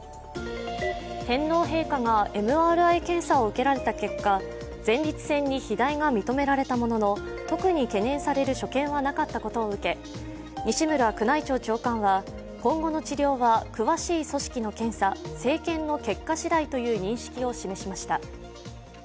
天皇陛下がＭＲＩ検査を受けられた結果、前立腺の肥大が認められたものの、特に懸念される所見はなかったことを受け、西村宮内庁長官は、今後の治療は詳しい組織の検査＝生検の結果しだいという認識を示しました。